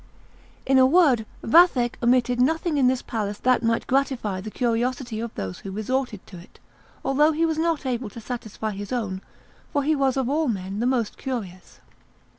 In a word, Vathek omitted nothing in this palace that might gratify the curiosity of those who resorted to it, although he was not able to satisfy his own, for he was of all men the most curious.